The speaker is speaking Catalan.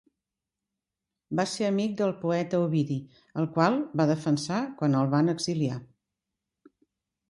Va ser amic del poeta Ovidi, al qual va defensar quan el van exiliar.